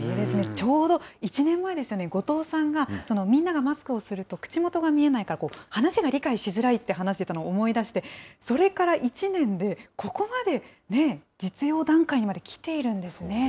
ちょうど１年前ですよね、後藤さんが、みんながマスクをすると口元が見えないから、話が理解しづらいって話してたの思い出して、それから１年で、ここまで実用段階にまできているんですね。